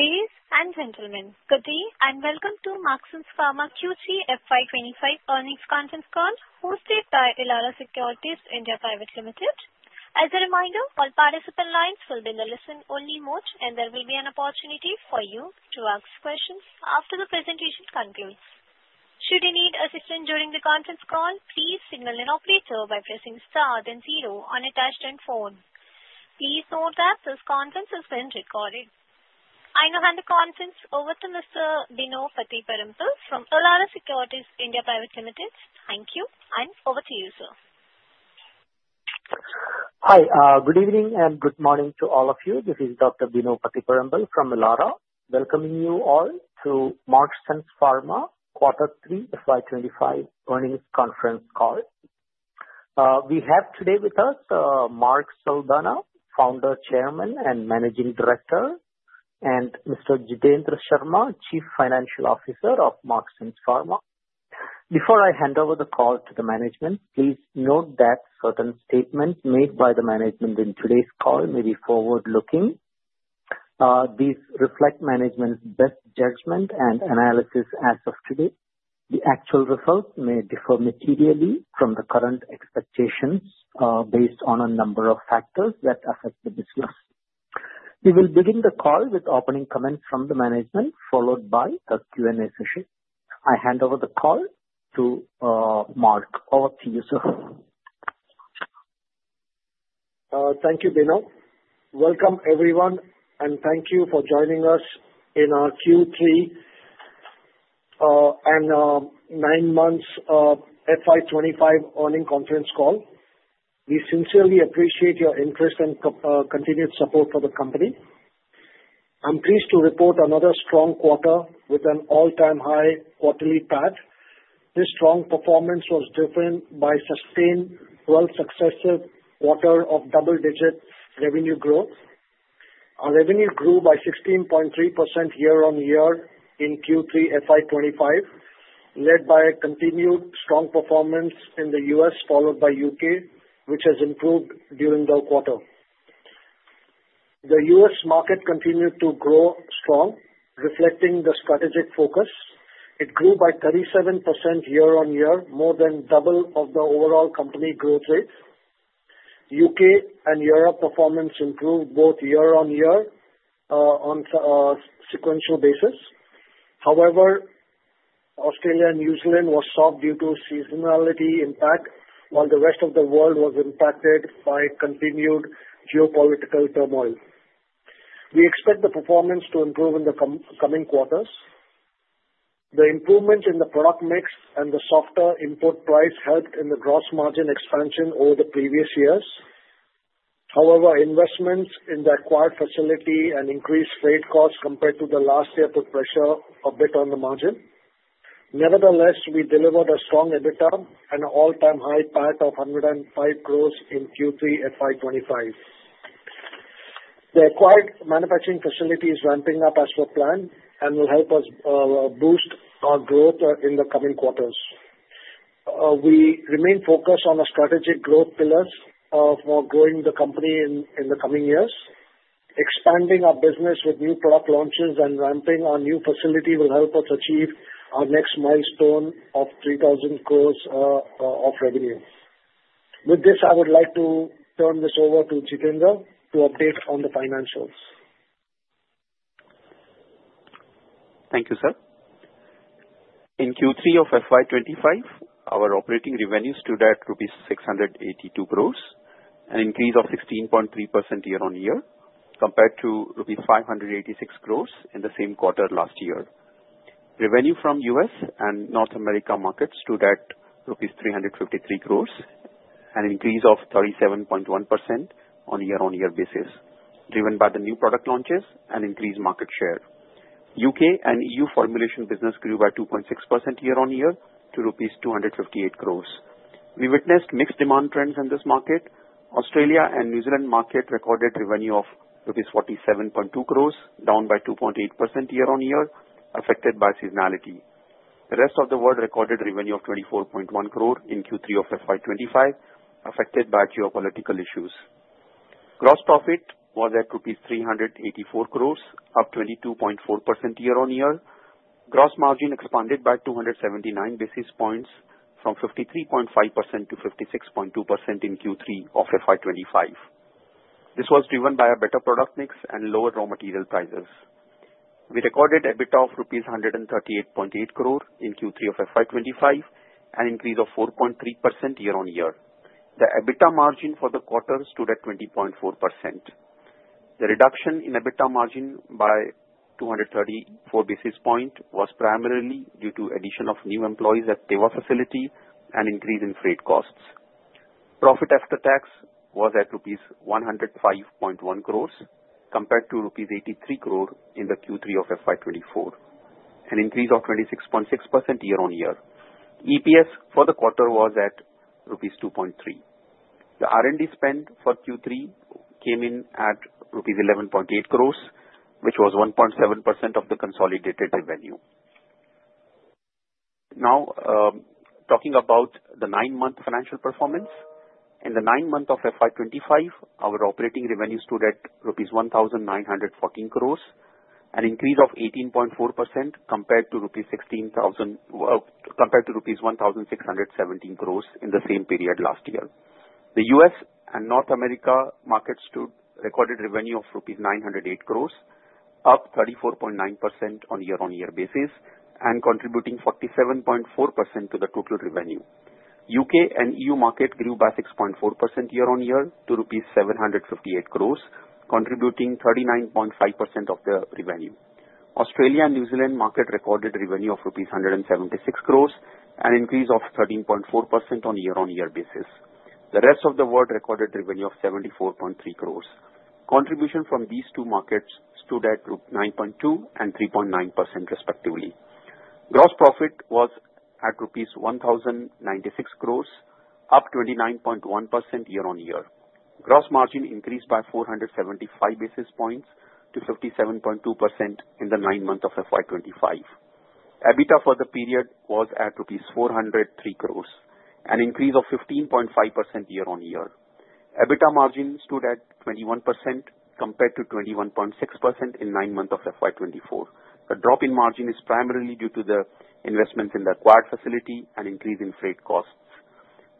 Ladies and gentlemen, good day and welcome to Marksans Pharma Q3 FY 2025 earnings conference call hosted by Elara Securities (India) Private Limited. As a reminder, all participant lines will be in the listen-only mode, and there will be an opportunity for you to ask questions after the presentation concludes. Should you need assistance during the conference call, please signal an operator by pressing star then zero on your touch-tone phone. Please note that this conference has been recorded. I now hand the conference over to Mr. Bino Pathiparampil from Elara Securities (India) Private Limited. Thank you, and over to you, sir. Hi, good evening and good morning to all of you. This is Dr. Bino Pathiparampil from Elara, welcoming you all to Marksans Pharma quarter three FY 2025 earnings conference call. We have today with us, Mark Saldanha, Founder, Chairman, and Managing Director, and Mr. Jitendra Sharma, Chief Financial Officer of Marksans Pharma. Before I hand over the call to the management, please note that certain statements made by the management in today's call may be forward-looking. These reflect management's best judgment and analysis as of today. The actual results may differ materially from the current expectations based on a number of factors that affect the business. We will begin the call with opening comments from the management, followed by a Q&A session. I hand over the call to Mark. Over to you, sir. Thank you, Bino. Welcome, everyone, and thank you for joining us in our Q3 and nine months FY 2025 earnings conference call. We sincerely appreciate your interest and continued support for the company. I'm pleased to report another strong quarter with an all-time high quarterly PAT. This strong performance was driven by sustained 12 successive quarters of double-digit revenue growth. Our revenue grew by 16.3% year-on-year in Q3 FY 2025, led by continued strong performance in the U.S., followed by U.K., which has improved during the quarter. The U.S. market continued to grow strong, reflecting the strategic focus. It grew by 37% year-on-year, more than double of the overall company growth rate. U.K. and Europe performance improved both year-on-year on a sequential basis. However, Australia and New Zealand were soft due to seasonality impact, while the rest of the world was impacted by continued geopolitical turmoil. We expect the performance to improve in the coming quarters. The improvement in the product mix and the softer import price helped in the gross margin expansion over the previous years. However, investments in the acquired facility and increased freight costs compared to the last year put pressure a bit on the margin. Nevertheless, we delivered a strong EBITDA and an all-time high PAT of 105 crore in Q3 FY 2025. The acquired manufacturing facility is ramping up as per plan and will help us boost our growth in the coming quarters. We remain focused on our strategic growth pillars for growing the company in the coming years. Expanding our business with new product launches and ramping our new facility will help us achieve our next milestone of 3,000 crore of revenue. With this, I would like to turn this over to Jitendra to update on the financials. Thank you, sir. In Q3 of FY 2025, our operating revenue stood at 682 crore, an increase of 16.3% year-on-year compared to 586 crore in the same quarter last year. Revenue from U.S. and North America markets stood at rupees 353 crore, an increase of 37.1% on a year-on-year basis, driven by the new product launches and increased market share. U.K. and E.U. formulation business grew by 2.6% year-on-year to rupees 258 crore. We witnessed mixed demand trends in this market. Australia and New Zealand market recorded revenue of rupees 47.2 crore, down by 2.8% year-on-year, affected by seasonality. The rest of the world recorded revenue of 24.1 crore in Q3 of FY 2025, affected by geopolitical issues. Gross profit was at 384 crore rupees, up 22.4% year-on-year. Gross margin expanded by 279 basis points from 53.5% to 56.2% in Q3 of FY 2025. This was driven by a better product mix and lower raw material prices. We recorded EBITDA of 138.8 crore in Q3 of FY 2025, an increase of 4.3% year-on-year. The EBITDA margin for the quarter stood at 20.4%. The reduction in EBITDA margin by 234 basis points was primarily due to the addition of new employees at Teva facility and an increase in freight costs. Profit after tax was at rupees 105.1 crore compared to rupees 83 crore in Q3 of FY 2024, an increase of 26.6% year-on-year. EPS for the quarter was at rupees 2.3. The R&D spend for Q3 came in at rupees 11.8 crore, which was 1.7% of the consolidated revenue. Now, talking about the nine-month financial performance, in the nine months of FY 2025, our operating revenue stood at rupees 1,914 crore, an increase of 18.4% compared to rupees 1,617 crore in the same period last year. The U.S. and North America markets recorded revenue of rupees 908 crore, up 34.9% on a year-on-year basis, and contributing 47.4% to the total revenue. U.K. and E.U. markets grew by 6.4% year-on-year to rupees 758 crore, contributing 39.5% of the revenue. Australia and New Zealand markets recorded revenue of INR 176 crore, an increase of 13.4% on a year-on-year basis. The rest of the world recorded revenue of 74.3 crore. Contribution from these two markets stood at 9.2% and 3.9%, respectively. Gross profit was at rupees 1,096 crore, up 29.1% year-on-year. Gross margin increased by 475 basis points to 57.2% in the nine months of FY 2025. EBITDA for the period was at INR 403 crore, an increase of 15.5% year-on-year. EBITDA margin stood at 21% compared to 21.6% in the nine months of FY 2024. The drop in margin is primarily due to the investments in the acquired facility and an increase in freight costs.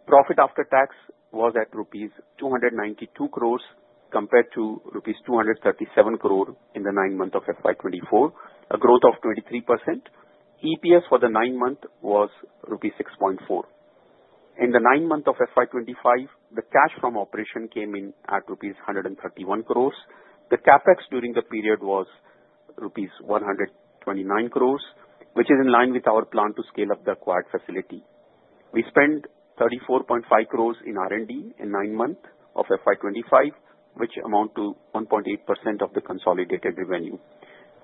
Profit after tax was at rupees 292 crore compared to rupees 237 crore in the nine months of FY 2024, a growth of 23%. EPS for the nine months was rupees 6.4. In the nine months of FY 2025, the cash from operation came in at rupees 131 crore. The CapEx during the period was rupees 129 crore, which is in line with our plan to scale up the acquired facility. We spent 34.5 crore in R&D in the nine months of FY 2025, which amounted to 1.8% of the consolidated revenue.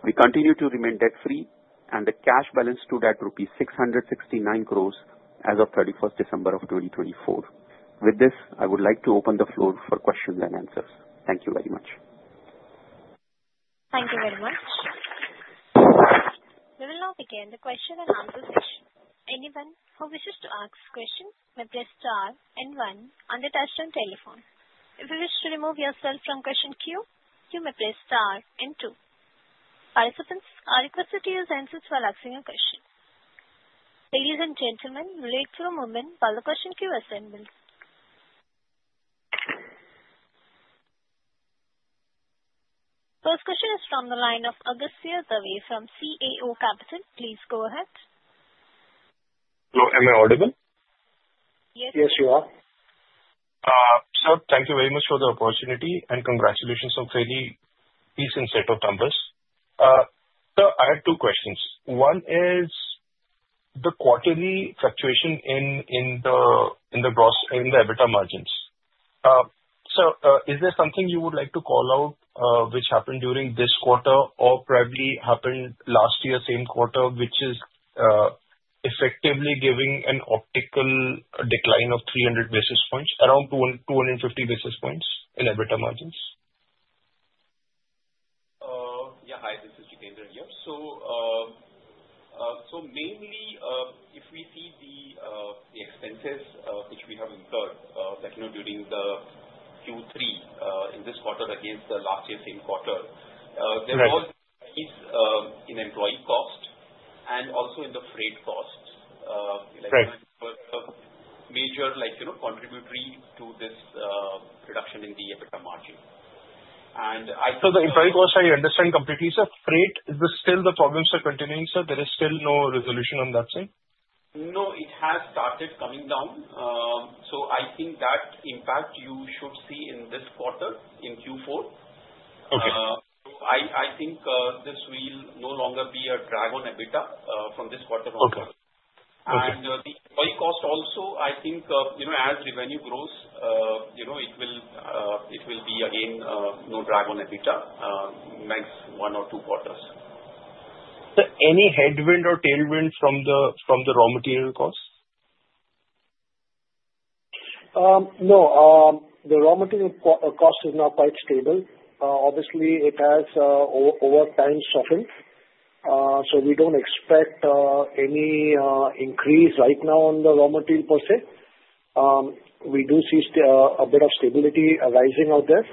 We continue to remain debt-free, and the cash balance stood at rupees 669 crore as of 31st December of 2024. With this, I would like to open the floor for questions and answers. Thank you very much. Thank you very much. We will now begin the question and answer session. Anyone who wishes to ask a question may press star and one on the touch-tone telephone. If you wish to remove yourself from the question queue, you may press star and two. Participants are requested to use handsets while asking a question. Ladies and gentlemen, wait for a moment while the question queue is assembled. First question is from the line of Agastya Dave from CAO Capital. Please go ahead. Hello. Am I audible? Yes. Yes, you are. Sir, thank you very much for the opportunity and congratulations on fairly decent set of numbers. Sir, I have two questions. One is the quarterly fluctuation in the gross, in the EBITDA margins. Sir, is there something you would like to call out which happened during this quarter or probably happened last year, same quarter, which is effectively giving an apparent decline of 300 basis points, around 250 basis points in EBITDA margins? Yeah. Hi, this is Jitendra here. So mainly, if we see the expenses which we have incurred during the Q3 in this quarter against the last year, same quarter, there was a rise in employee cost and also in the freight costs. Like I remember, major contributor to this reduction in the EBITDA margin. And I think. So the employee costs, I understand completely, sir. Freight, is this still the problem? Sir, continuing, sir? There is still no resolution on that, sir? No, it has started coming down. So I think that impact you should see in this quarter, in Q4. I think this will no longer be a drag on EBITDA from this quarter onward. And the employee cost also, I think, as revenue grows, it will be again no drag on EBITDA, next one or two quarters. Sir, any headwind or tailwind from the raw material costs? No. The raw material cost is now quite stable. Obviously, it has over time softened. So we don't expect any increase right now on the raw material per se. We do see a bit of stability arising out there.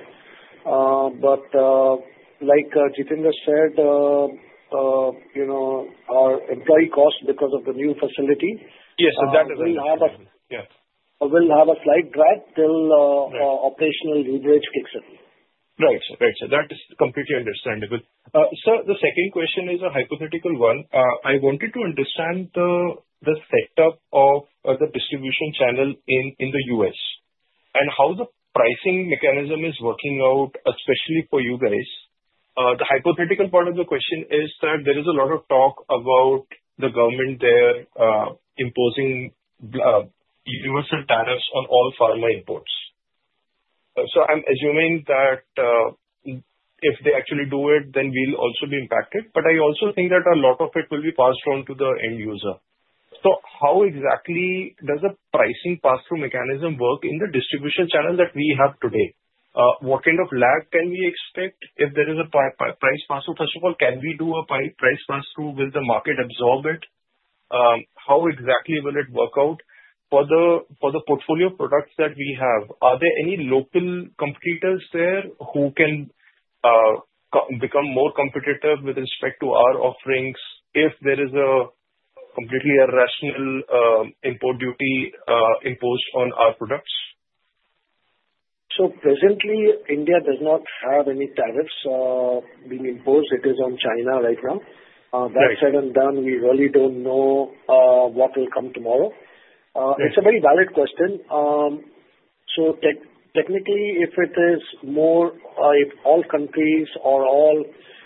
But like Jitendra said, our employee costs because of the new facility. Yes, so that is. Will have a slight drag till operational leverage kicks in. Right. Right. That is completely understandable. Sir, the second question is a hypothetical one. I wanted to understand the setup of the distribution channel in the U.S. and how the pricing mechanism is working out, especially for you guys. The hypothetical part of the question is that there is a lot of talk about the government there imposing universal tariffs on all pharma imports, so I'm assuming that if they actually do it, then we'll also be impacted, but I also think that a lot of it will be passed on to the end user, so how exactly does the pricing pass-through mechanism work in the distribution channel that we have today? What kind of lag can we expect if there is a price pass-through? First of all, can we do a price pass-through? Will the market absorb it? How exactly will it work out? For the portfolio products that we have, are there any local competitors there who can become more competitive with respect to our offerings if there is a completely irrational import duty imposed on our products? So presently, India does not have any tariffs being imposed. It is on China right now. That said and done, we really don't know what will come tomorrow. It's a very valid question. So technically, if it is more if all countries or all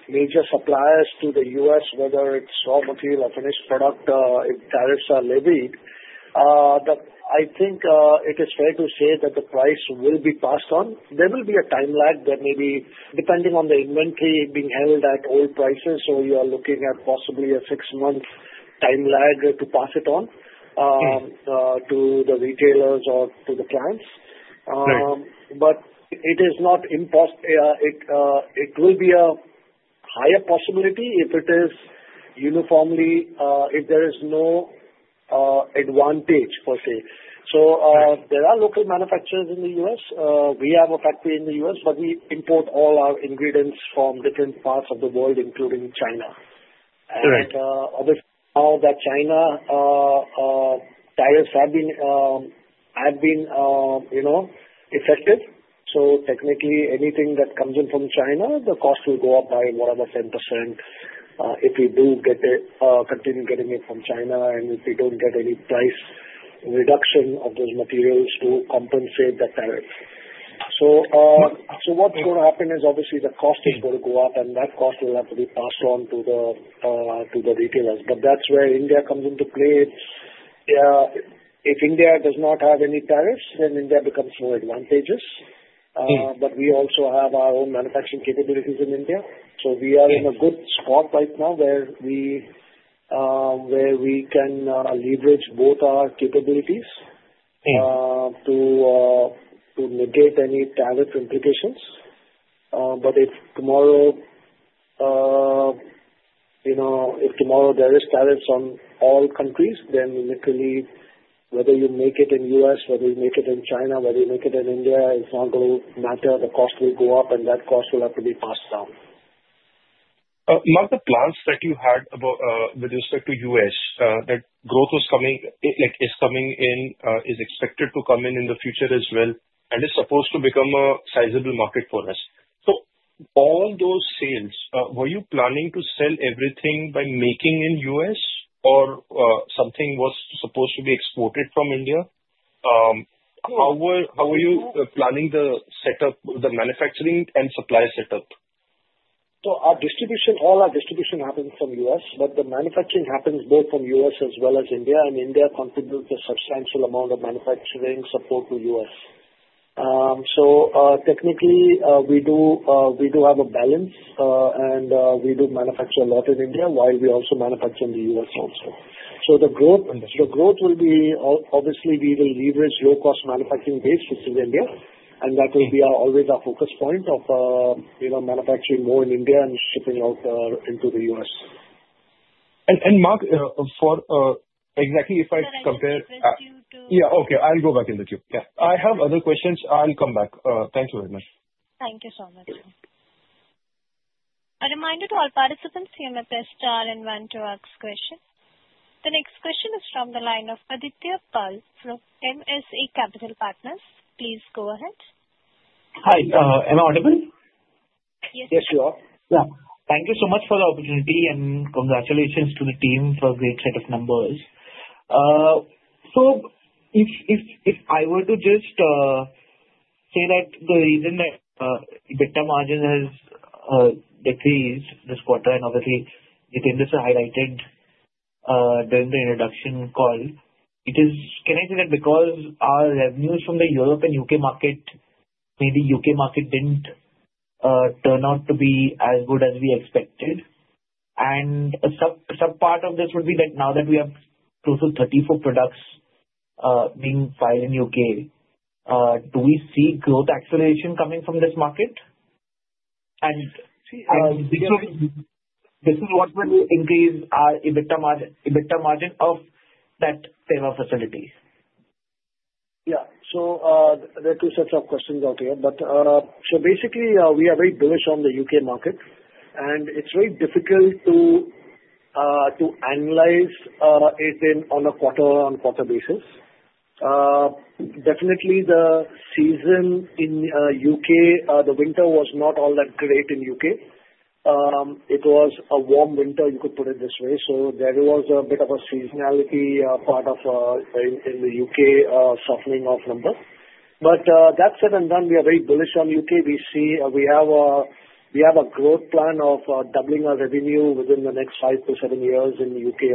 major suppliers to the U.S., whether it's raw material or finished product, if tariffs are levied, I think it is fair to say that the price will be passed on. There will be a time lag that may be depending on the inventory being held at old prices. So you are looking at possibly a six-month time lag to pass it on to the retailers or to the clients. But it is not impossible. It will be a higher possibility if it is uniformly if there is no advantage, per se. So there are local manufacturers in the U.S. We have a factory in the U.S., but we import all our ingredients from different parts of the world, including China, and obviously, now that China tariffs have been effective, so technically, anything that comes in from China, the cost will go up by whatever, 10%, if we do continue getting it from China, and if we don't get any price reduction of those materials to compensate that tariff, so what's going to happen is obviously the cost is going to go up, and that cost will have to be passed on to the retailers, but that's where India comes into play, if India does not have any tariffs, then India becomes more advantageous, but we also have our own manufacturing capabilities in India, so we are in a good spot right now where we can leverage both our capabilities to negate any tariff implications. But if tomorrow there are tariffs on all countries, then literally, whether you make it in the U.S., whether you make it in China, whether you make it in India, it's not going to matter. The cost will go up, and that cost will have to be passed down. Mark, the plans that you had with respect to the U.S., that growth is coming in, is expected to come in in the future as well, and is supposed to become a sizable market for us. So all those sales, were you planning to sell everything by making in the U.S., or something was supposed to be exported from India? How were you planning the setup, the manufacturing and supply setup? So all our distribution happens from the U.S., but the manufacturing happens both from the U.S. as well as India. And India contributes a substantial amount of manufacturing support to the U.S. So technically, we do have a balance, and we do manufacture a lot in India while we also manufacture in the U.S. also. So the growth will be. Obviously, we will leverage low-cost manufacturing base, which is India. And that will be always our focus point of manufacturing more in India and shipping out into the U.S. Mark, exactly if I compare. And I'll go back in the queue. Yeah. Okay. I'll go back in the queue. Yeah. I have other questions. I'll come back. Thank you very much. Thank you so much. A reminder to all participants to use their star and one to ask questions. The next question is from the line of Adityapal from MSA Capital Partners. Please go ahead. Hi. Am I audible? Yes. Yes, you are. Yeah. Thank you so much for the opportunity and congratulations to the team for a great set of numbers. So if I were to just say that the reason that EBITDA margin has decreased this quarter, and obviously, Jitendra, sir, highlighted during the introduction call, it is, can I say that, because our revenues from the Europe and U.K. market, maybe U.K. market, didn't turn out to be as good as we expected. And a subpart of this would be that now that we have close to 34 products being filed in the U.K., do we see growth acceleration coming from this market? And. See, this is what will increase our EBITDA margin of that type of facility. Yeah. So there are two sets of questions out here. So basically, we are very bullish on the U.K. market, and it's very difficult to analyze it on a quarter-on-quarter basis. Definitely, the season in the U.K., the winter was not all that great in the U.K. It was a warm winter, you could put it this way. So there was a bit of a seasonality part of in the U.K. softening of numbers. But that said and done, we are very bullish on the U.K. We have a growth plan of doubling our revenue within the next five to seven years in the U.K.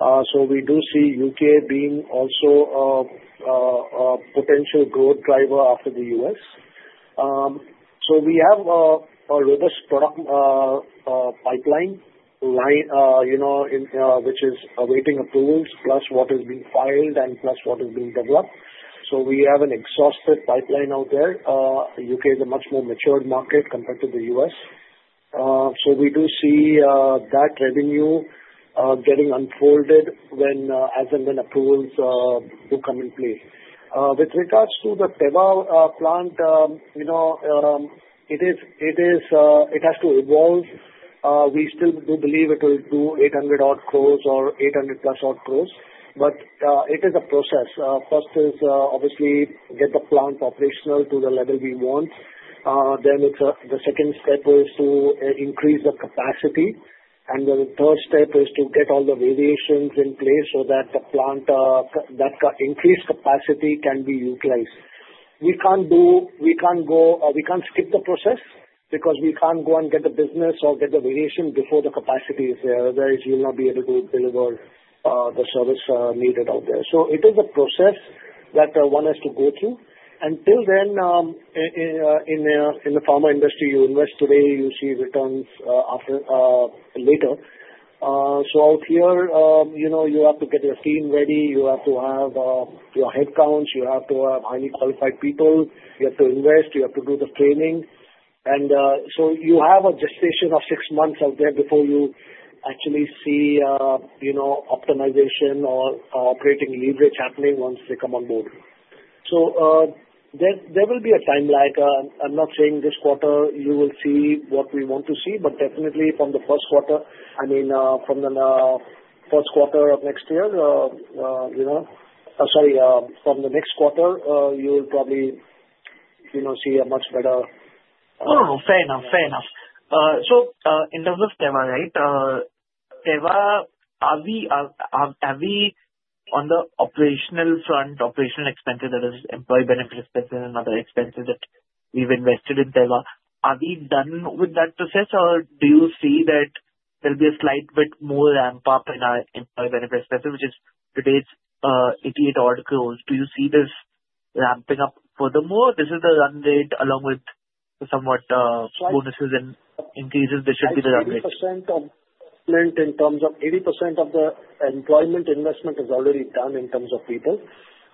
also. So we do see the U.K. being also a potential growth driver after the U.S. So we have a robust product pipeline which is awaiting approvals, plus what has been filed and plus what has been developed. So we have an exhaustive pipeline out there. The U.K. is a much more mature market compared to the U.S. So we do see that revenue getting unfolded as and when approvals do come into play. With regards to the Teva plant, it has to evolve. We still do believe it will do 800-odd crore or INR 800+-odd crore. But it is a process. First is obviously get the plant operational to the level we want. Then the second step is to increase the capacity. And the third step is to get all the variations in place so that the plant that increased capacity can be utilized. We can't skip the process because we can't go and get the business or get the variation before the capacity is there. Otherwise, you'll not be able to deliver the service needed out there. So it is a process that one has to go through. Until then, in the pharma industry, you invest today, you see returns later. So out here, you have to get your team ready. You have to have your headcounts. You have to have highly qualified people. You have to invest. You have to do the training. And so you have a gestation of six months out there before you actually see optimization or operating leverage happening once they come on board. So there will be a time lag. I'm not saying this quarter you will see what we want to see, but definitely from the first quarter, I mean, from the first quarter of next year sorry, from the next quarter, you will probably see a much better. Oh, fair enough. Fair enough. So in terms of Teva, right, Teva, are we on the operational front, operational expenses, that is, employee benefit expenses and other expenses that we've invested in Teva, are we done with that process, or do you see that there'll be a slight bit more ramp-up in our employee benefit expenses, which is today's 88-odd crore? Do you see this ramping up furthermore? This is the run rate along with somewhat bonuses and increases. This should be the run rate. 80% of the employment investment is already done in terms of people.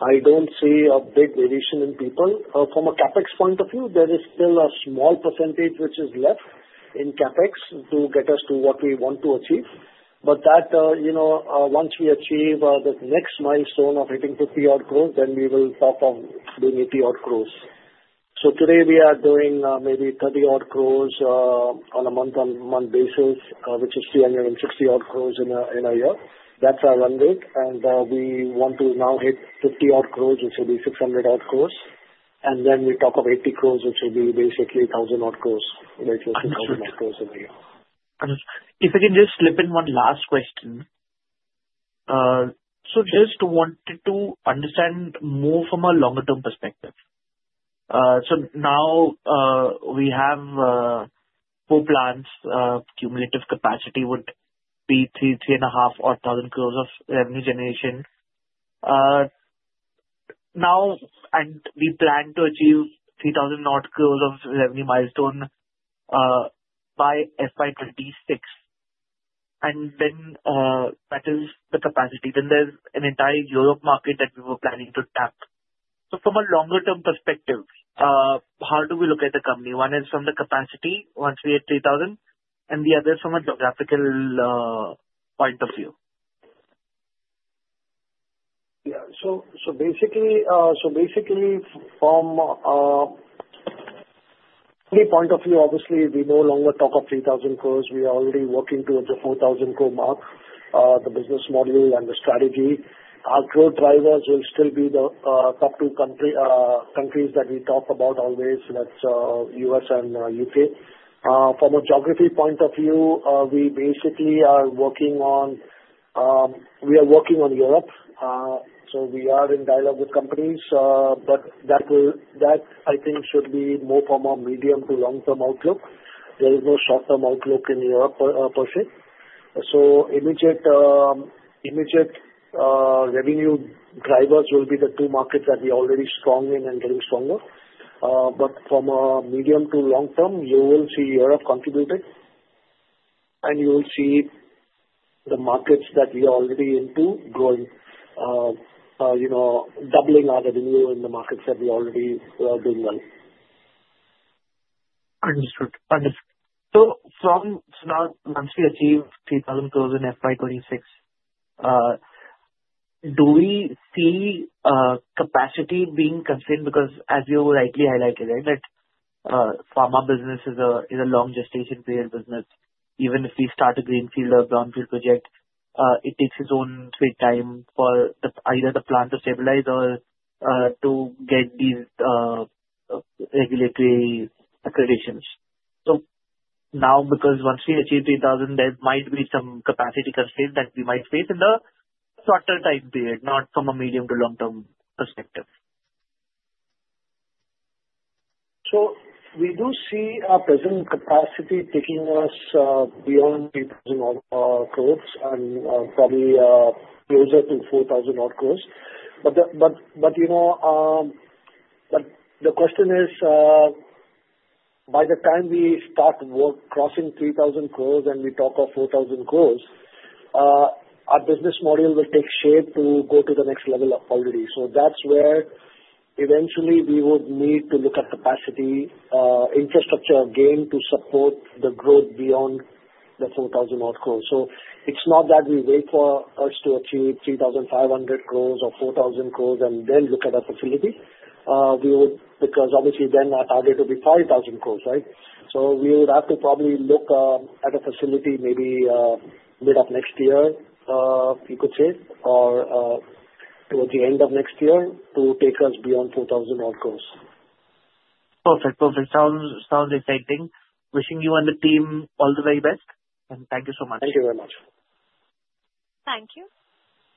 I don't see a big variation in people. From a CapEx point of view, there is still a small percentage which is left in CapEx to get us to what we want to achieve. But that once we achieve the next milestone of hitting 50-odd crore, then we will talk of doing 80-odd crore. So today, we are doing maybe 30-odd crore on a month-on-month basis, which is 360-odd crore in a year. That's our run rate, and we want to now hit 50-odd crore, which will be 600-odd crore, and then we talk of 80 crore, which will be basically 1,000-odd crore, which is 2,000-odd crore in a year. If I can just slip in one last question. So just wanted to understand more from a longer-term perspective. So now we have four plants, cumulative capacity would be 3, 3.5-odd thousand crore of revenue generation. Now, and we plan to achieve 3,000-odd crore of revenue milestone by FY 2026. And then that is the capacity. Then there's an entire Europe market that we were planning to tap. So from a longer-term perspective, how do we look at the company? One is from the capacity once we hit 3,000, and the other is from a geographical point of view. Yeah. So basically, from the point of view, obviously, we no longer talk of 3,000 crore. We are already working towards the 4,000 crore mark, the business model, and the strategy. Our growth drivers will still be the top two countries that we talk about always, that's U.S. and U.K. From a geography point of view, we basically are working on Europe. So we are in dialogue with companies. But that, I think, should be more from a medium to long-term outlook. There is no short-term outlook in Europe per se. So immediate revenue drivers will be the two markets that we are already strong in and getting stronger. But from a medium to long-term, you will see Europe contributing, and you will see the markets that we are already into growing, doubling our revenue in the markets that we are already doing well. Understood. Understood. So once we achieve 3,000 crore in FY 2026, do we see capacity being constrained? Because as you rightly highlighted, right, that pharma business is a long gestation period business. Even if we start a greenfield or brownfield project, it takes its own sweet time for either the plant to stabilize or to get these regulatory accreditations. So now, because once we achieve 3,000 crore, there might be some capacity constraints that we might face in the shorter time period, not from a medium to long-term perspective. So we do see our present capacity taking us beyond 3,000-odd crore and probably closer to 4,000-odd crore. But the question is, by the time we start crossing 3,000 crore and we talk of 4,000 crore, our business model will take shape to go to the next level already. So that's where eventually we would need to look at capacity infrastructure gain to support the growth beyond the 4,000-odd crore. So it's not that we wait for us to achieve 3,500 crore or 4,000 crore and then look at our facility. Because obviously, then our target would be 5,000 crore, right? So we would have to probably look at a facility maybe mid of next year, you could say, or towards the end of next year to take us beyond 4,000-odd crore. Perfect. Perfect. Sounds exciting. Wishing you and the team all the very best, and thank you so much. Thank you very much. Thank you.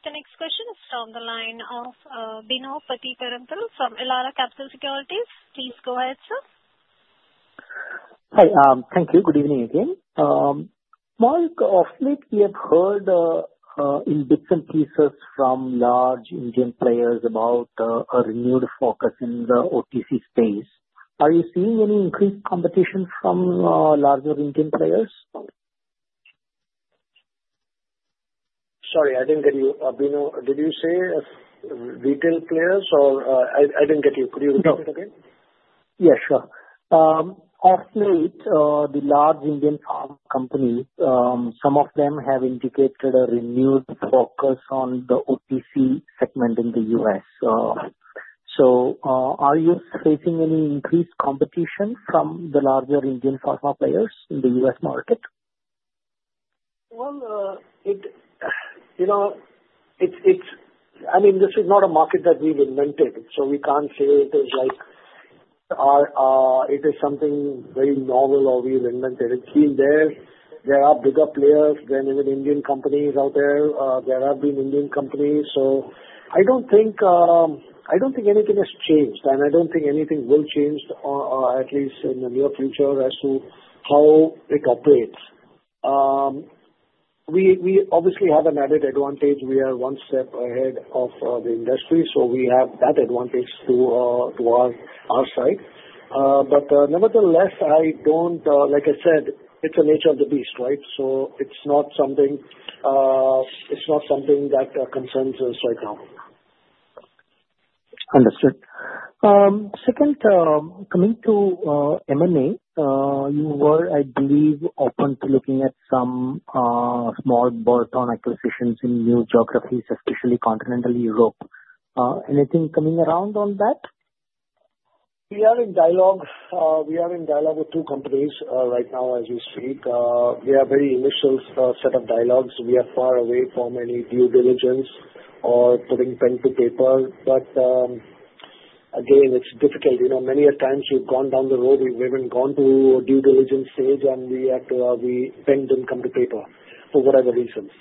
The next question is from the line of Bino Pathiparampil from Elara Securities. Please go ahead, sir. Hi. Thank you. Good evening again. Mark, of late, we have heard in bits and pieces from large Indian players about a renewed focus in the OTC space. Are you seeing any increased competition from larger Indian players? Sorry, I didn't get you. Bino, did you say retail players or I didn't get you? Could you repeat it again? Yeah. Yeah, sure. Of late, the large Indian pharma companies, some of them have indicated a renewed focus on the OTC segment in the U.S. So are you facing any increased competition from the larger Indian pharma players in the U.S. market? I mean, this is not a market that we've invented, so we can't say it is like it is something very novel or we've invented. It's been there. There are bigger players than even Indian companies out there. There have been Indian companies, so I don't think anything has changed, and I don't think anything will change, at least in the near future, as to how it operates. We obviously have an added advantage. We are one step ahead of the industry, so we have that advantage to our side. But nevertheless, I don't, like I said, it's the nature of the beast, right, so it's not something that concerns us right now. Understood. Second, coming to M&A, you were, I believe, open to looking at some small bolt-on acquisitions in new geographies, especially continental Europe. Anything coming around on that? We are in dialogue with two companies right now, as you speak. We are in a very initial set of dialogues. We are far away from any due diligence or putting pen to paper, but again, it's difficult. Many a time, we've gone down the road. We've even gone to a due diligence stage, and we bend and come to paper for whatever reasons.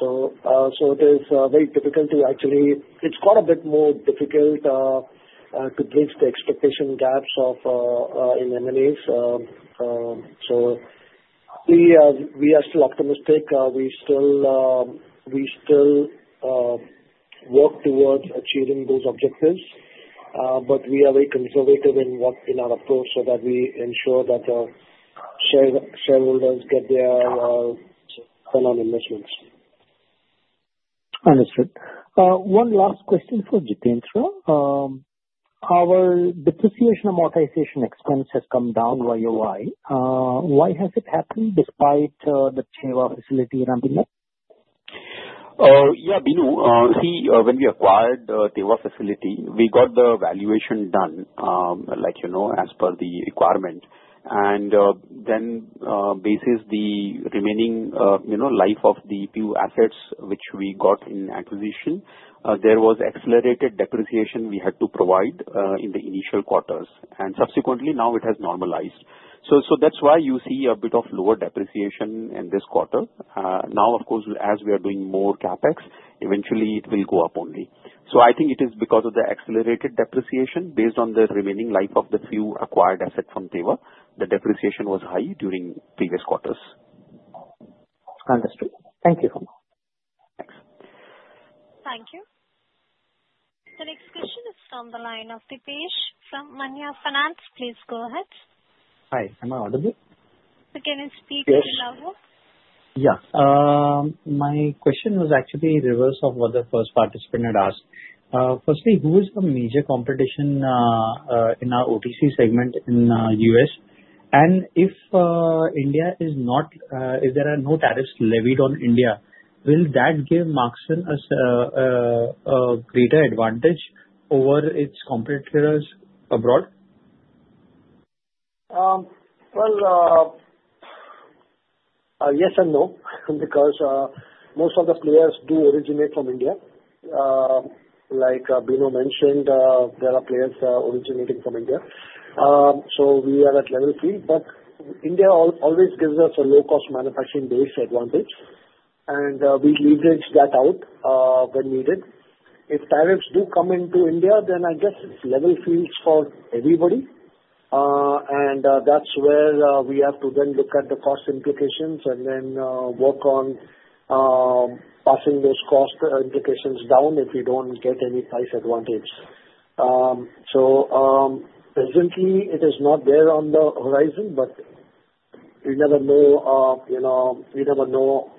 So it is very difficult. Actually, it's got a bit more difficult to bridge the expectation gaps in M&As. We are still optimistic. We still work towards achieving those objectives, but we are very conservative in our approach so that we ensure that the shareholders get their return on investments. Understood. One last question for Jitendra. Our depreciation amortization expense has come down YoY. Why has it happened despite the Teva facility ramping up? Yeah, Bino, see, when we acquired the Teva facility, we got the valuation done as per the requirement. And then, based on the remaining life of the few assets which we got in the acquisition, there was accelerated depreciation we had to provide in the initial quarters. And subsequently, now it has normalized. So that's why you see a bit of lower depreciation in this quarter. Now, of course, as we are doing more CapEx, eventually it will go up only. So I think it is because of the accelerated depreciation based on the remaining life of the few acquired assets from Teva. The depreciation was high during previous quarters. Understood. Thank you. Thanks. Thank you. The next question is from the line of Deepesh from Maanya Finance. Please go ahead. Hi. Am I audible? So can you speak a little louder? My question was actually reverse of what the first participant had asked. Firstly, who is the major competition in our OTC segment in the U.S.? And if there are no tariffs levied on India, will that give Marksans a greater advantage over its competitors abroad? Well, yes and no. Because most of the players do originate from India. Like Bino mentioned, there are players originating from India. So we are at level field. But India always gives us a low-cost manufacturing base advantage. And we leverage that out when needed. If tariffs do come into India, then I guess it's level fields for everybody. And that's where we have to then look at the cost implications and then work on passing those cost implications down if we don't get any price advantage. So presently, it is not there on the horizon, but we never know. We never know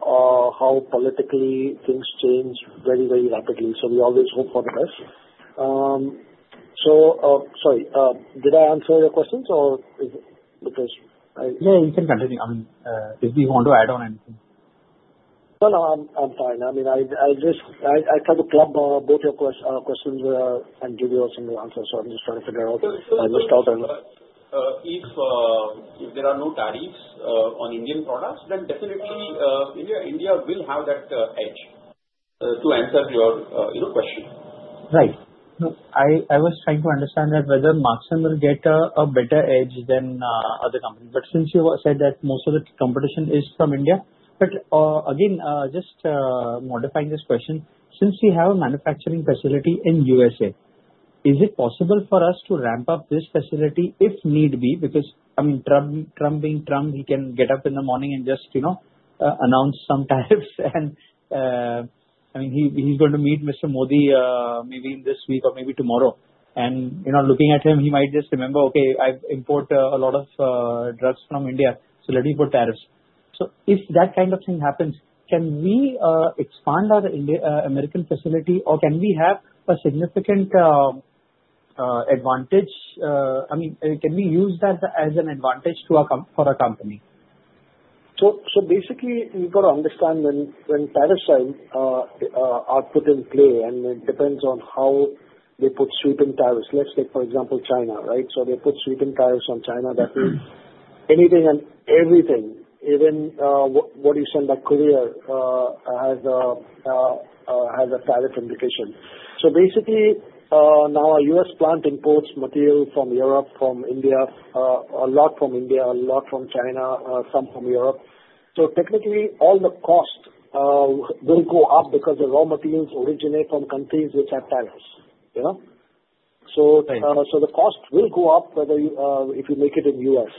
how politically things change very, very rapidly. So we always hope for the best. So sorry, did I answer your questions or because I? Yeah, you can continue. I mean, if you want to add on anything. No, no, I'm fine. I mean, I try to club both your questions and give you some answers. So I'm just trying to figure out if there are no tariffs on Indian products, then definitely India will have that edge to answer your question. Right. I was trying to understand that whether Marksans will get a better edge than other companies. But since you said that most of the competition is from India, but again, just modifying this question, since we have a manufacturing facility in U.S.A. Is it possible for us to ramp up this facility if need be? Because I mean, Trump being Trump, he can get up in the morning and just announce some tariffs. And I mean, he's going to meet Mr. Modi maybe this week or maybe tomorrow. And looking at him, he might just remember, "Okay, I import a lot of drugs from India. So let me put tariffs." So if that kind of thing happens, can we expand our American facility or can we have a significant advantage? I mean, can we use that as an advantage for a company? So basically, you got to understand when tariffs are put in play, and it depends on how they put sweeping tariffs. Let's take, for example, China, right? So they put sweeping tariffs on China. That means anything and everything, even what you send to Korea has a tariff implication. So basically, now our U.S. plant imports material from Europe, from India, a lot from India, a lot from China, some from Europe. So technically, all the cost will go up because the raw materials originate from countries which have tariffs. So the cost will go up if you make it in the U.S.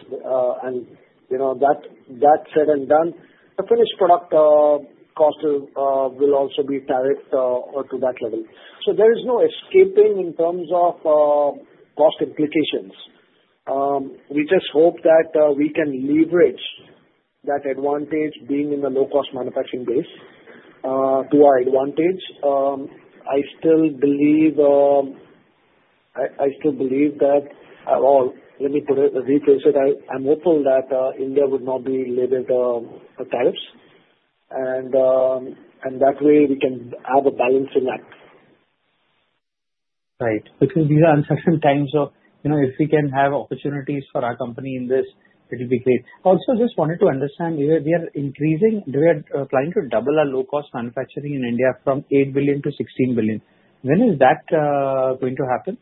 And that said and done, the finished product cost will also be tariffed to that level. So there is no escaping in terms of cost implications. We just hope that we can leverage that advantage being in the low-cost manufacturing base to our advantage. I still believe that. Let me rephrase it. I'm hopeful that India would not be levied tariffs, and that way, we can have a balancing act. Right. Because these are uncertain times. So if we can have opportunities for our company in this, it would be great. Also, just wanted to understand, we are trying to double our low-cost manufacturing in India from 8 billion-16 billion. When is that going to happen?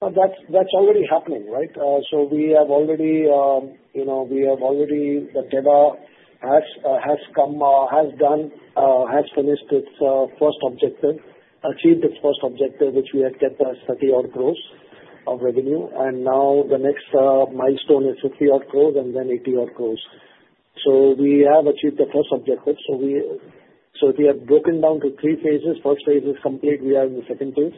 That's already happening, right? So we have already the Teva has done, has finished its first objective, achieved its first objective, which we had kept as 30-odd crore of revenue. And now the next milestone is 50-odd crore and then 80-odd crore. So we have achieved the first objective. So we have broken down to three phases. First phase is complete. We are in the second phase.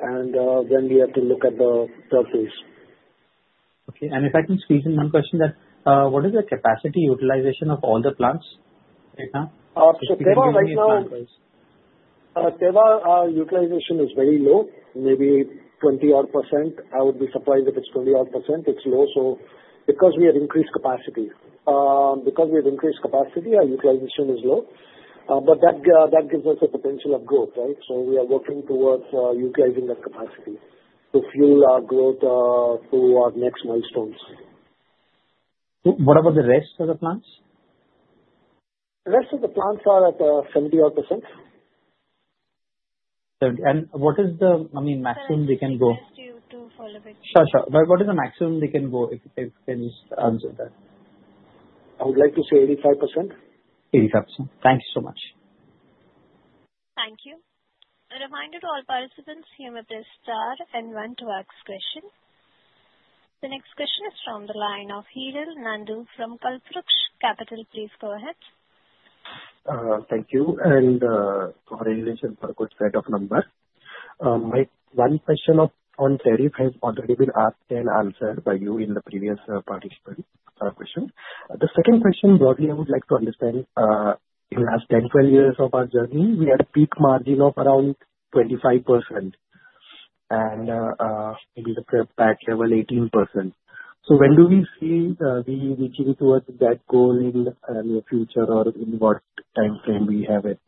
And then we have to look at the third phase. Okay, and if I can squeeze in one question, what is the capacity utilization of all the plants right now? So Teva right now, Teva utilization is very low, maybe 20-odd%. I would be surprised if it's 20-odd%. It's low. So because we have increased capacity. Because we have increased capacity, our utilization is low. But that gives us a potential of growth, right? So we are working towards utilizing that capacity to fuel our growth through our next milestones. What about the rest of the plants? The rest of the plants are at 70-odd%. 70. What is the, I mean, maximum they can go? Please do follow up. Sure, sure. But what is the maximum they can go if they can just answer that? I would like to say 85%. 85%. Thank you so much. Thank you. A reminder to all participants, you may please press star one to ask questions. The next question is from the line of Hiral Nandu from Kalpvruksh Capital. Please go ahead. Thank you and congratulations for a good set of numbers. One question on tariff has already been asked and answered by you in the previous participant question. The second question, broadly, I would like to understand, in the last 10, 12 years of our journey, we had a peak margin of around 25% and back level 18%. So when do we see we reaching towards that goal in the near future or in what time frame we have it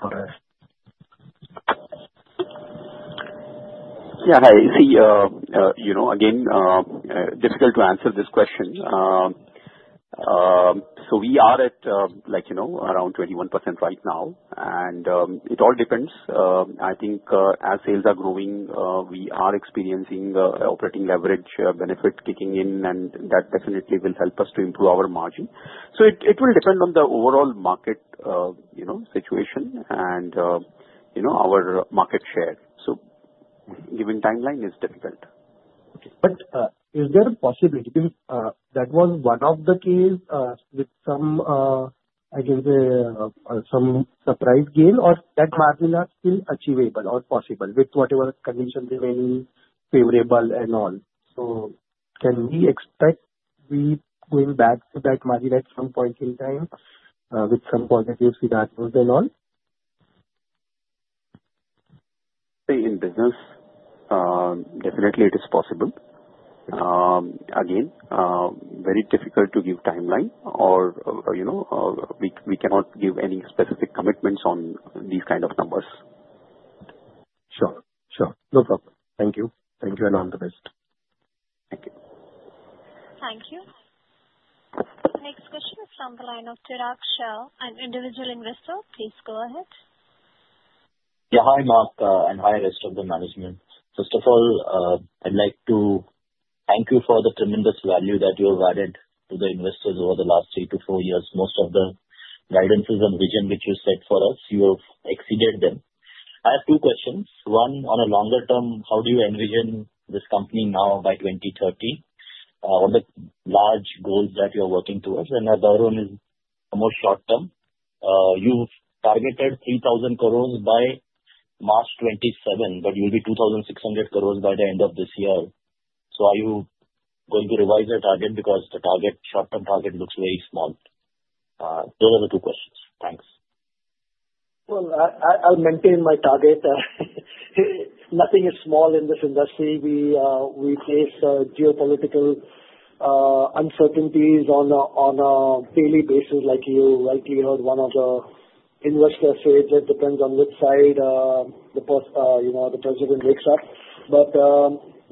for us? Yeah. See, again, difficult to answer this question. So we are at around 21% right now, and it all depends. I think as sales are growing, we are experiencing operating leverage benefit kicking in, and that definitely will help us to improve our margin, so it will depend on the overall market situation and our market share, so giving timeline is difficult. But is there a possibility that was one of the cases with some, I can say, some surprise gain or that margin are still achievable or possible with whatever conditions remaining favorable and all? So can we expect we going back to that margin at some point in time with some positive scenarios and all? In business, definitely it is possible. Again, very difficult to give timeline or we cannot give any specific commitments on these kind of numbers. Sure. Sure. No problem. Thank you. Thank you and all the best. Thank you. Thank you. The next question is from the line of Chirag Shah, an individual investor. Please go ahead. Yeah. Hi, Mark. And hi, rest of the management. First of all, I'd like to thank you for the tremendous value that you have added to the investors over the last three to four years. Most of the guidances and vision which you set for us, you have exceeded them. I have two questions. One, on a longer term, how do you envision this company now by 2030? What are the large goals that you are working towards? And the other one is more short term. You've targeted 3,000 crore by March 2027, but you'll be 2,600 crore by the end of this year. So are you going to revise the target? Because the short-term target looks very small. Those are the two questions. Thanks. I'll maintain my target. Nothing is small in this industry. We face geopolitical uncertainties on a daily basis. Like you rightly heard, one of the investors said that depends on which side the President wakes up. But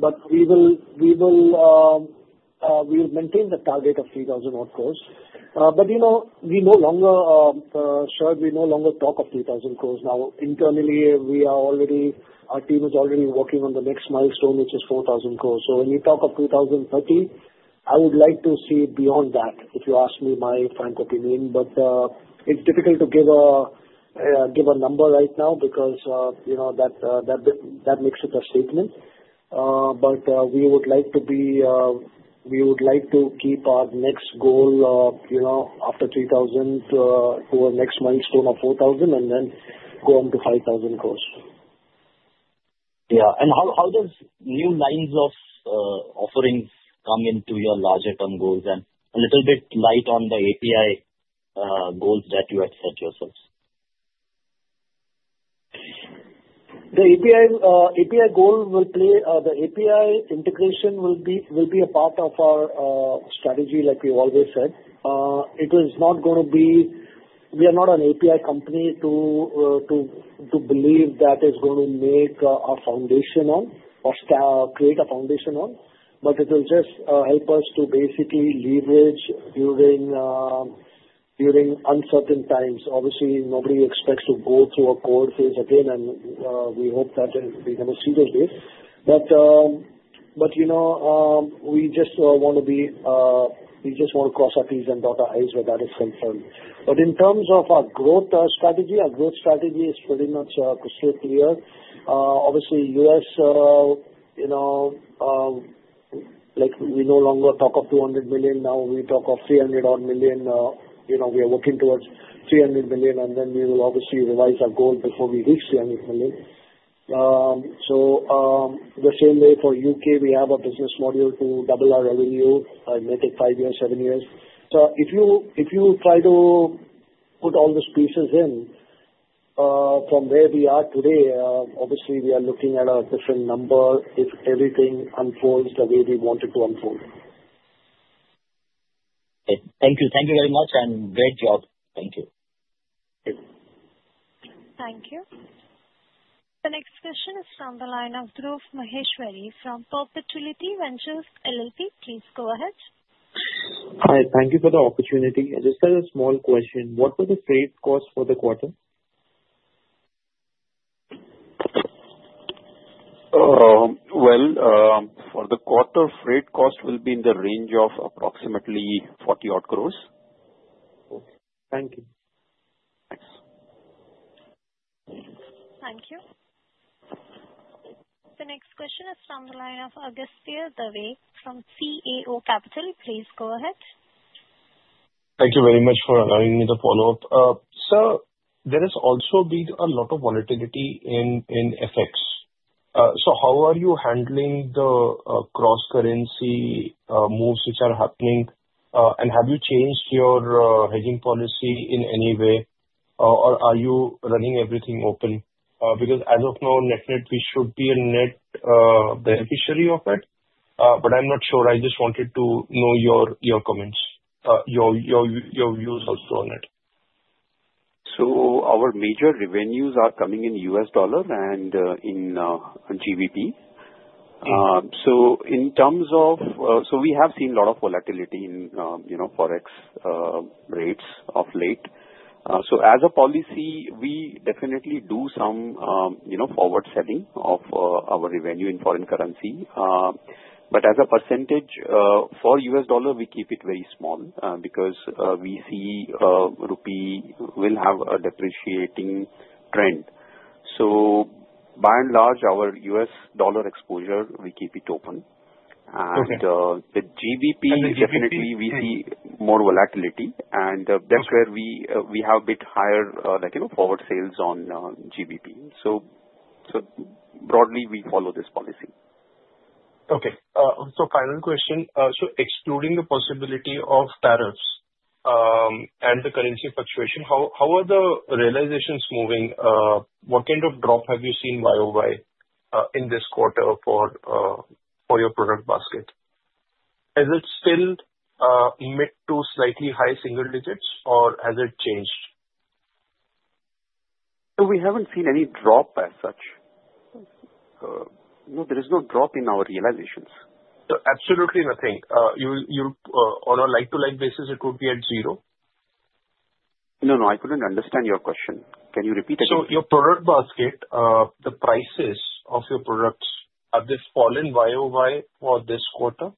we will maintain the target of 3,000 crore. But we no longer share; we no longer talk of 3,000 crore. Now, internally, our team is already working on the next milestone, which is 4,000 crore. So when you talk of 2030, I would like to see beyond that, if you ask me my frank opinion. But it's difficult to give a number right now because that makes it a statement. But we would like to keep our next goal after 3,000 to our next milestone of 4,000 and then go on to 5,000 crore. Yeah, and how does new lines of offerings come into your larger-term goals and a little bit light on the API goals that you had set yourselves? The API goal will play. The API integration will be a part of our strategy, like we always said. It is not going to be we are not an API company to believe that is going to make our foundation on or create a foundation on. But it will just help us to basically leverage during uncertain times. Obviously, nobody expects to go through a core phase again, and we hope that we never see those days. But we just want to cross our T's and dot our I's where that is concerned. But in terms of our growth strategy, our growth strategy is pretty much crystal clear. Obviously, U.S., we no longer talk of 200 million. Now we talk of 300-odd million. We are working towards 300 million, and then we will obviously revise our goal before we reach 300 million. So the same way for U.K., we have a business model to double our revenue and make it five years, seven years. So if you try to put all those pieces in from where we are today, obviously, we are looking at a different number if everything unfolds the way we want it to unfold. Okay. Thank you. Thank you very much, and great job. Thank you. Thank you. The next question is from the line of Dhruv Maheshwari from Perpetuity Ventures LLP. Please go ahead. Hi. Thank you for the opportunity. Just a small question. What were the freight costs for the quarter? For the quarter, freight cost will be in the range of approximately 40-odd crore. Okay. Thank you. Thanks. Thank you. The next question is from the line of Agastya Dave from CAO Capital. Please go ahead. Thank you very much for allowing me to follow up. Sir, there has also been a lot of volatility in FX. So how are you handling the cross-currency moves which are happening? And have you changed your hedging policy in any way, or are you running everything open? Because as of now, net, net, we should be a net beneficiary of it. But I'm not sure. I just wanted to know your comments, your views also on it. So our major revenues are coming in U.S. dollar and in GBP. So in terms of, we have seen a lot of volatility in forex rates of late. So as a policy, we definitely do some forward-setting of our revenue in foreign currency. But as a percentage for U.S. dollar, we keep it very small because we see rupee will have a depreciating trend. So by and large, our U.S. dollar exposure, we keep it open. And with GBP, definitely, we see more volatility. And that's where we have a bit higher forward sales on GBP. So broadly, we follow this policy. Okay. So, final question: So, excluding the possibility of tariffs and the currency fluctuation, how are the realizations moving? What kind of drop have you seen YoY in this quarter for your product basket? Is it still mid to slightly high single-digits, or has it changed? So we haven't seen any drop as such. No, there is no drop in our realizations. Absolutely nothing. On a like-to-like basis, it would be at zero. No, no. I couldn't understand your question. Can you repeat again? So your product basket, the prices of your products, have they fallen YoY for this quarter?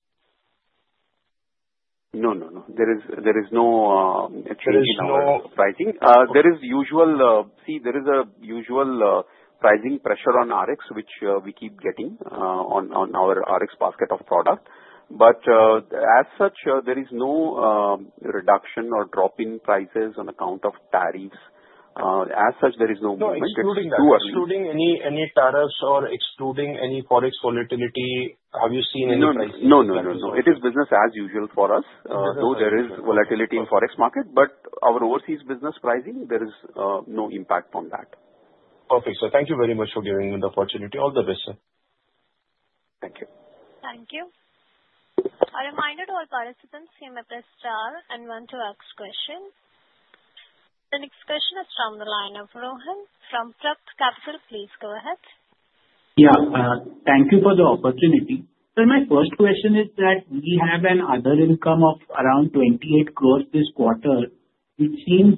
No, no, no. There is no change in our pricing. There is a usual pricing pressure on Rx, which we keep getting on our Rx basket of product. But as such, there is no reduction or drop in prices on account of tariffs. As such, there is no movement. So excluding any tariffs or excluding any forex volatility, have you seen any price increase? No, no, no, no, no. It is business as usual for us, though there is volatility in forex market. But our overseas business pricing, there is no impact on that. Perfect. So thank you very much for giving me the opportunity. All the best, sir. Thank you. Thank you. A reminder to all participants. They may please press star and one to ask questions. The next question is from the line of Rohan from Prad Capital. Please go ahead. Yeah. Thank you for the opportunity. So my first question is that we have an other income of around 28 crore this quarter, which seems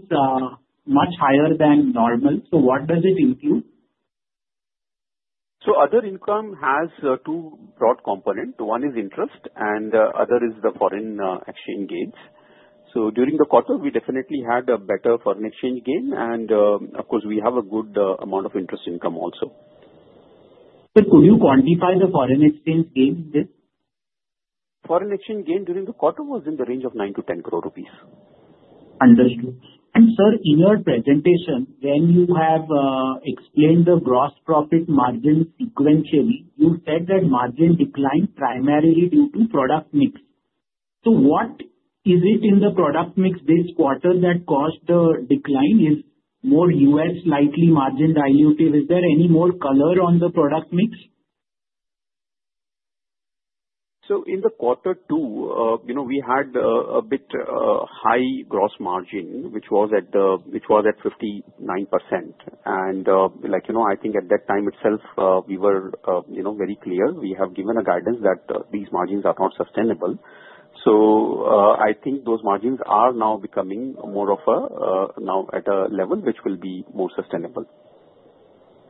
much higher than normal. So what does it include? So other income has two broad components. One is interest, and the other is the foreign exchange gains. So during the quarter, we definitely had a better foreign exchange gain. And of course, we have a good amount of interest income also. So could you quantify the foreign exchange gain with? Foreign exchange gain during the quarter was in the range of 9-10 crore rupees. Understood. And sir, in your presentation, when you have explained the gross profit margin sequentially, you said that margin declined primarily due to product mix. So what is it in the product mix this quarter that caused the decline? Is more U.S. likely margin dilutive? Is there any more color on the product mix? So in the quarter two, we had a bit high gross margin, which was at 59%. And I think at that time itself, we were very clear. We have given a guidance that these margins are not sustainable. So I think those margins are now becoming more of a now at a level which will be more sustainable.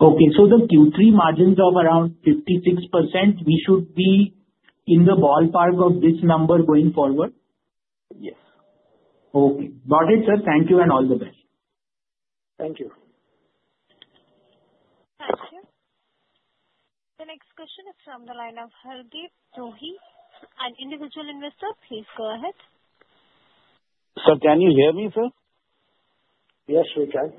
Okay, so the Q3 margins of around 56%, we should be in the ballpark of this number going forward? Yes. Okay. Got it, sir. Thank you and all the best. Thank you. Thank you. The next question is from the line of Hardeep Sohi, an individual investor. Please go ahead. Sir, can you hear me, sir? Yes, we can.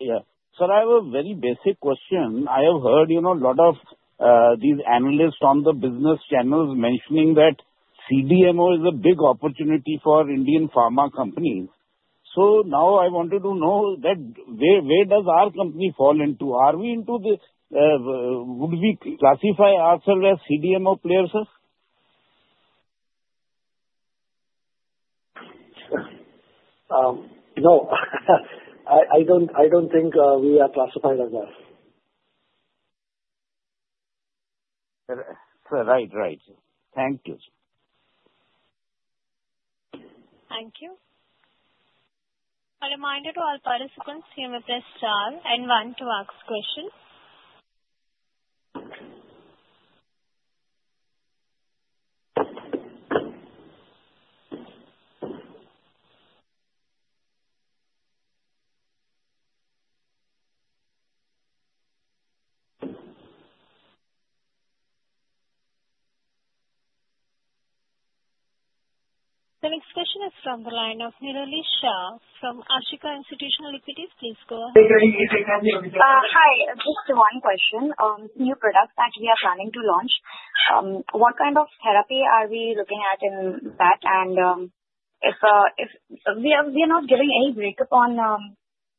Yeah. Sir, I have a very basic question. I have heard a lot of these analysts on the business channels mentioning that CDMO is a big opportunity for Indian pharma companies. So now I wanted to know that where does our company fall into? Are we into this? Would we classify ourselves as CDMO players, sir? No. I don't think we are classified as that. Sir, right, right. Thank you. Thank you. A reminder to all participants that they may please press star and one to ask questions. The next question is from the line of Nirali Shah from Ashika Institutional Equities. Please go. Hi. Just one question. New product that we are planning to launch. What kind of therapy are we looking at in that? And if we are not giving any breakup on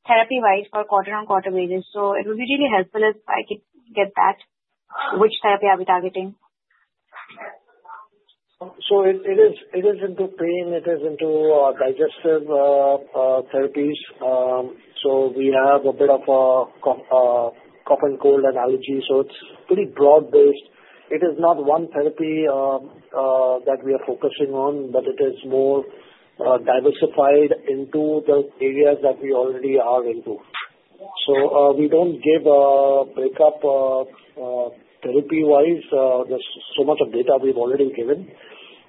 therapy-wise for quarter-on-quarter basis, so it would be really helpful if I could get that. Which therapy are we targeting? So it is into pain. It is into digestive therapies. So we have a bit of cough and cold and allergy. So it's pretty broad-based. It is not one therapy that we are focusing on, but it is more diversified into the areas that we already are into. So we don't give a breakup therapy-wise. There's so much of data we've already given.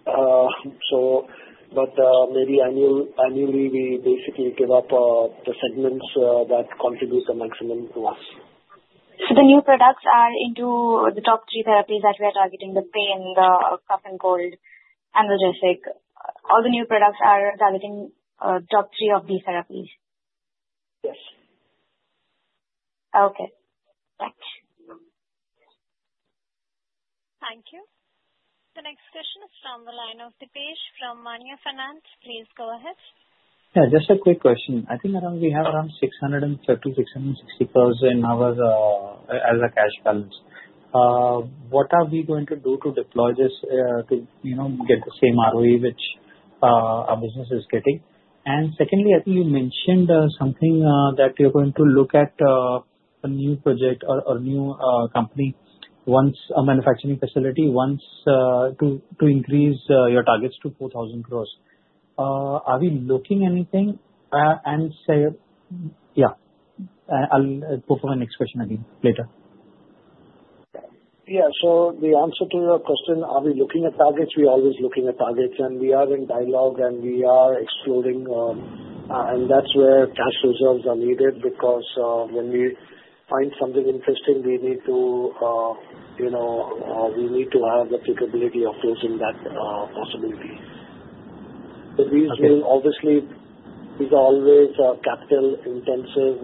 But maybe annually, we basically give up the segments that contribute the maximum to us. So the new products are into the top three therapies that we are targeting: the pain, the cough and cold, analgesic. All the new products are targeting top three of these therapies. Yes. Okay. Thanks. Thank you. The next question is from the line of Deepesh from Maanya Finance. Please go ahead. Yeah. Just a quick question. I think we have around 630-660 million as a cash balance. What are we going to do to deploy this to get the same ROE which our business is getting? And secondly, I think you mentioned something that you're going to look at a new project or new company once a manufacturing facility wants to increase your targets to 4,000 crore. Are we looking anything? And yeah, I'll go for my next question again later. Yeah. So the answer to your question, are we looking at targets? We are always looking at targets, and we are in dialogue and we are exploring. And that's where cash reserves are needed because when we find something interesting, we need to have the capability of closing that possibility. So these will obviously be always capital-intensive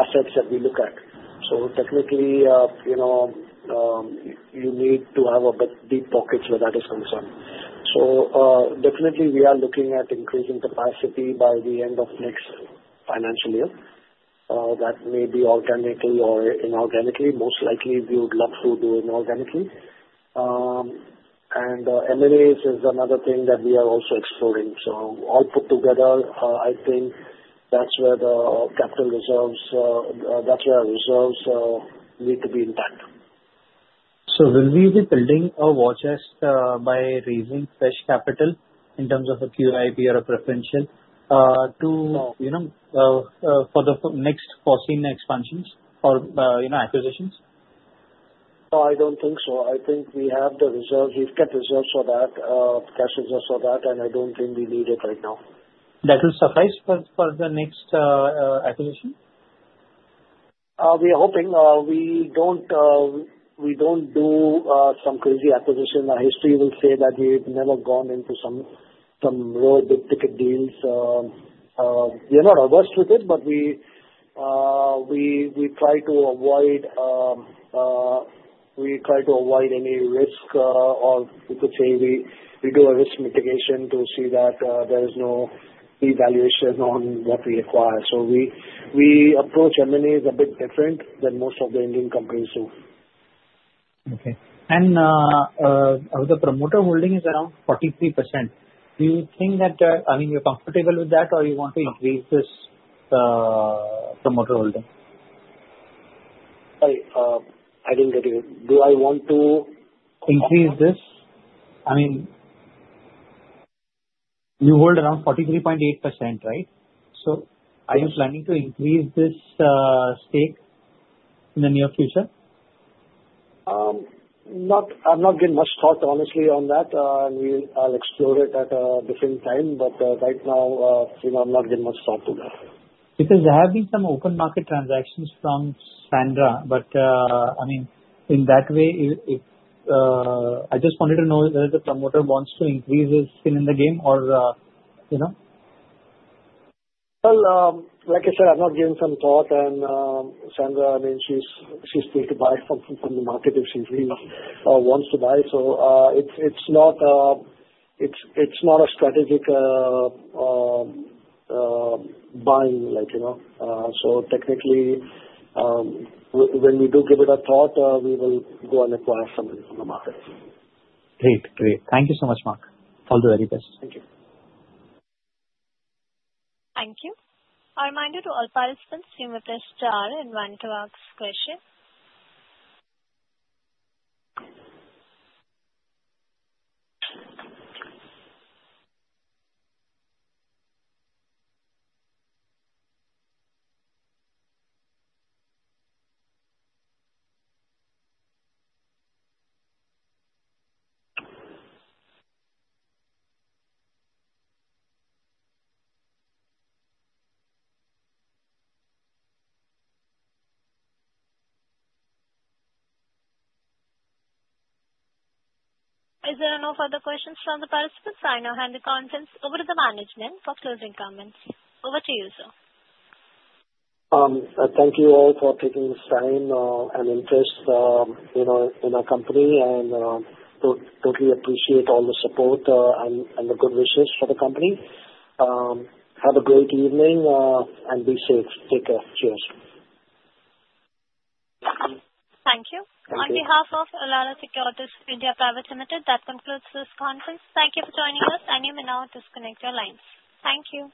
assets that we look at. So technically, you need to have a bit deep pockets where that is concerned. So definitely, we are looking at increasing capacity by the end of next financial year. That may be organically or inorganically. Most likely, we would love to do it inorganically. And M&As is another thing that we are also exploring. So all put together, I think that's where the capital reserves, our reserves need to be intact. So, will we be building a war chest by raising fresh capital in terms of a QIP or a preferential issue for the next foreseen expansions or acquisitions? No, I don't think so. I think we have the reserves. We've kept reserves for that, cash reserves for that, and I don't think we need it right now. That will suffice for the next acquisition? We are hoping. We don't do some crazy acquisition. Our history will say that we've never gone into some really big ticket deals. We are not averse to it, but we try to avoid any risk, or we could say we do a risk mitigation to see that there is no devaluation on what we acquire. So we approach M&As a bit different than most of the Indian companies do. Okay. And the promoter holding is around 43%. Do you think that I mean, you're comfortable with that, or you want to increase this promoter holding? I didn't get you. Do I want to? Increase this? I mean, you hold around 43.8%, right? So are you planning to increase this stake in the near future? I'm not giving much thought, honestly, on that. I'll explore it at a different time, but right now, I'm not giving much thought to that. Because there have been some open market transactions from Sandra, but I mean, in that way, I just wanted to know whether the promoter wants to increase his skin in the game or? Like I said, I'm not giving some thought, and Sandra, I mean, she's free to buy from the market if she really wants to buy. It's not a strategic buying. Technically, when we do give it a thought, we will go and acquire someone from the market. Great, great. Thank you so much, Mark. All the very best. Thank you. Thank you. A reminder to all participants, you may press star and one to ask questions. Is there no further questions from the participants? I now hand the conference over to the management for closing comments. Over to you, sir. Thank you all for taking this time and interest in our company, and totally appreciate all the support and the good wishes for the company. Have a great evening and be safe. Take care. Cheers. Thank you. On behalf of Elara Securities (India) Private Limited, that concludes this conference. Thank you for joining us, and you may now disconnect your lines. Thank you.